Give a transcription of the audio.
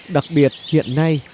đặc biệt hiện nay